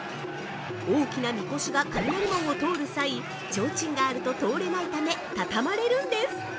大きなみこしが雷門を通る際、提灯があると通れないため畳まれるんです！